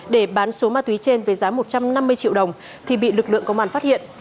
để bán số ma túy trên với giá một trăm năm mươi triệu đồng thì bị lực lượng công an phát hiện